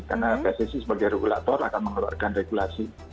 karena pssi sebagai regulator akan mengeluarkan regulasi